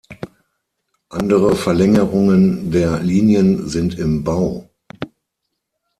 Andere Verlängerungen der Linien sind im Bau.